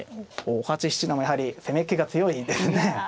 大橋七段もやはり攻めっ気が強いですね。